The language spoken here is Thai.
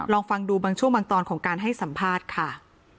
ลองฟังดูบางช่วงบางตอนของการให้สัมภาษณ์ค่ะ